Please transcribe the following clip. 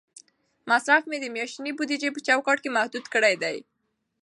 مصرف مې د میاشتنۍ بودیجې په چوکاټ کې محدود کړی دی.